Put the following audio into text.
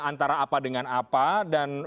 antara apa dengan apa dan